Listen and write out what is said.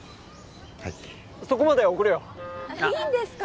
はいそこまで送るよいいんですか？